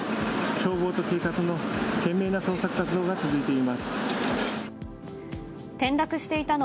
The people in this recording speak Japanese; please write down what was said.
消防と警察の懸命な捜索活動が続いています。